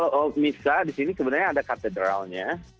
kalau misa di sini sebenarnya ada katedralnya